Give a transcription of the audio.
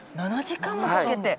７時間もかけて？